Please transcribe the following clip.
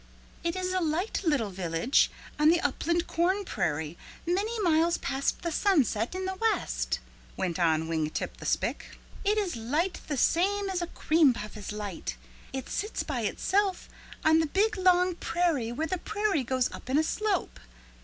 "It is a light little village on the upland corn prairie many miles past the sunset in the west," went on Wing Tip the Spick. "It is light the same as a cream puff is light. It sits all by itself on the big long prairie where the prairie goes up in a slope.